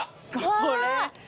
これ。